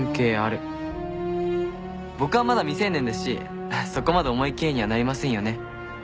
僕はまだ未成年ですしそこまで重い刑にはなりませんよね？